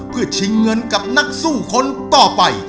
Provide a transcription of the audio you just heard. เพื่อชิงเงินกับนักสู้คนต่อไป